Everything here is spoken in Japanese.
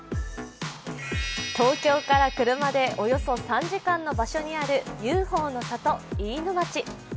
東京から車でおよそ３時間の場所にあるＵＦＯの里、飯野町。